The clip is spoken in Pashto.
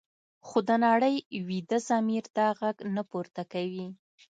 خو د نړۍ ویده ضمیر دا غږ نه پورته کوي.